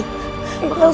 mungkin raden akan pulih